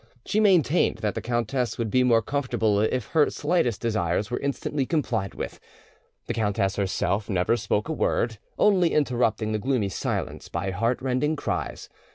She maintained that the countess would be more comfortable if her slightest desires were instantly complied with. The countess herself never spoke a word, only interrupting the gloomy silence by heart rending cries.